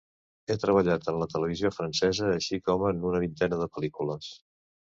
Ha treballat en la televisió francesa, així com en una vintena de pel·lícules.